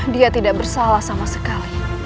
dia tidak bersalah sama sekali